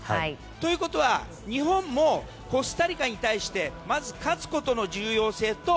ということは日本もコスタリカに対してまず勝つことの重要性と